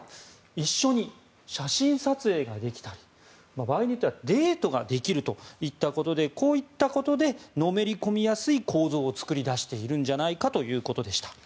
一緒に写真撮影ができたり場合によってはデートができるといったことでこういったことでのめり込みやすい構造を作り出しているんじゃないかということでした。